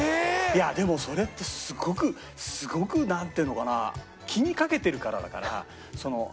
いやでもそれってすごくすごくなんていうのかな気にかけてるからだから。